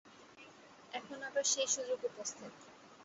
এখন আবার সেই সুযোগ উপস্থিত।